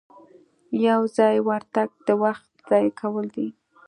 یو ځایي ورتګ د وخت ضایع کول دي.